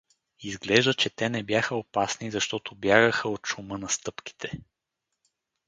Изглежда, че те не бяха опасни, защото бягаха от шума на стъпките.